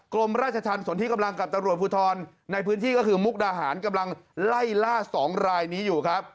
กรมราชธรรมสนที่กำลังกับตำรวจภูทรในพื้นที่ก็คือมุกดาหารกำลังไล่ล่า๒รายนี้อยู่ครับ